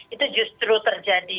itu justru terjadi